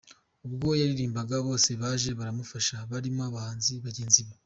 Ubwo yaririmbaga bose baje baramufasha barimo abahanzi bagenzi be.